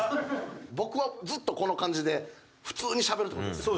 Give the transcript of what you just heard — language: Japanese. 僕はずっとこの感じで普通にしゃべるって事ですよね？